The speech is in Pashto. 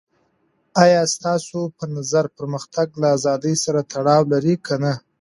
د مالي سکټور اصلاحاتو ته اړتيا ده